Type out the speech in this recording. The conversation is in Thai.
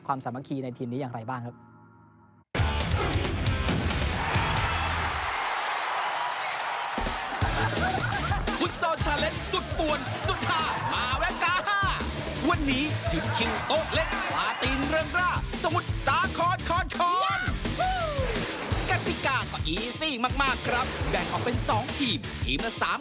สามัคคีในทีมนี้อย่างไรบ้างครับ